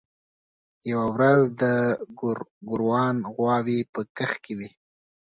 یوه ورځ د ګوروان غواوې په کښت کې وې.